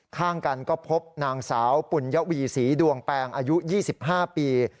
ข้างกันก็พบนางสาวปุญยวีศรีดวงแปงอายุ๒๕ปี